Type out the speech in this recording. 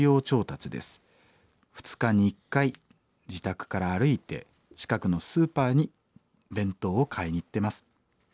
２日に１回自宅から歩いて近くのスーパーに弁当を買いに行ってます。